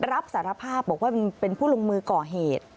รับสารภาพบอกว่าเป็นผู้ลงมือก่อเหตุ